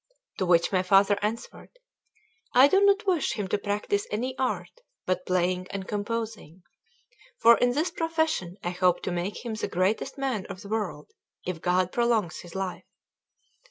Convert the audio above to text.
To which my father answered: "I do not wish him to practise any art but playing and composing; for in this profession I hope to make him the greatest man of the world, if God prolongs his life."